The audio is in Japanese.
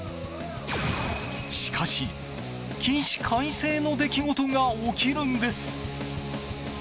しかし、起死回生の出来事が起きるんです。